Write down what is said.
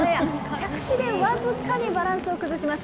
着地で僅かにバランスを崩します。